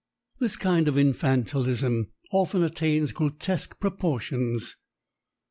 This kind of "infantilism" often attains grotesque proportions.